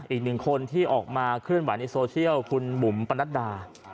อีกหนึ่งคนที่ออกมาเคลื่อนไหวในโซเชียลคุณบุ๋มปนัดดา